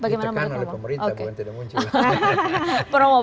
dan itu yang tidak muncul di papua hari ini